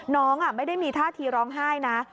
น้องไม่ได้มีท่าทีร้องไห้นะ